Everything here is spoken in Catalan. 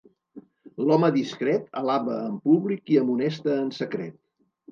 L'home discret alaba en públic i amonesta en secret.